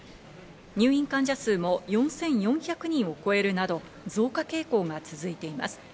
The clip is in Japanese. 入院患者数も４４００人を超えるなど増加傾向が続いています。